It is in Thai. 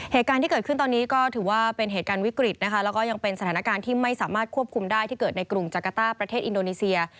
เหตุการณ์ที่เกิดขึ้นตอนนี้ก็ถือว่าเป็นเหตุการณ์วิกฤตนะคะแล้วก็ยังเป็นสถานการณ์ที่ไม่สามารถควบคุมได้ที่เกิดในกรุงจักรต้าประเทศอินโดนีเซีย